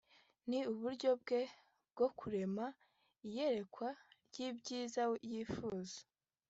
ni uburyo bwe bwo kurema iyerekwa ry’ibyiza wifuza